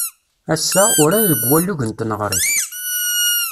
Ass-a, uran deg walug n tneɣrit.